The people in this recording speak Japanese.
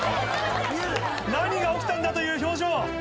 何が起きたんだという表情。